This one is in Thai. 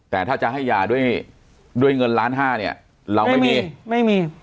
แต่ถ้าจะให้ยาด้วยเงินล้านห้าเนี่ยเราไม่มี